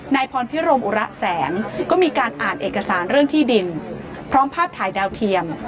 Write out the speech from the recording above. พรพิรมอุระแสงก็มีการอ่านเอกสารเรื่องที่ดินพร้อมภาพถ่ายดาวเทียม